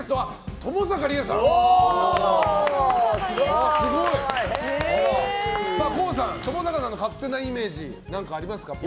ともさかさんの勝手なイメージありますか？